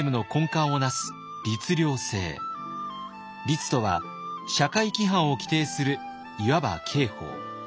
「律」とは社会規範を規定するいわば刑法。